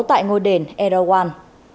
tại ngôi đền erawan